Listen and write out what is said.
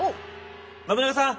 信長さん。